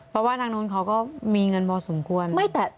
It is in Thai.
เพราะว่าทางนู้นเขาก็มีเงินพอสมควร